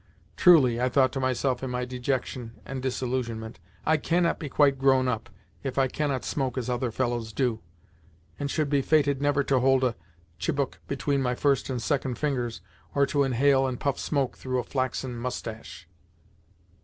"Truly," I thought to myself in my dejection and disillusionment, "I cannot be quite grown up if I cannot smoke as other fellows do, and should be fated never to hold a chibouk between my first and second fingers, or to inhale and puff smoke through a flaxen moustache!"